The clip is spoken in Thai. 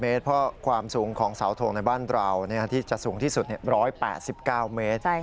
เมตรเพราะความสูงของเสาทงในบ้านเราที่จะสูงที่สุด๑๘๙เมตร